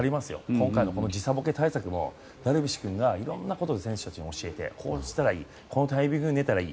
今回の時差ボケ対策もダルビッシュ君がいろんなことを選手たちに教えてこのタイミングで寝たらいい。